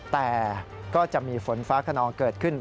แต่ก็จะมีฝนฟ้าขนองเกิดขึ้น